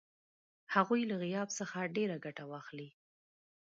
هغوی له غیاب څخه ډېره ګټه واخلي.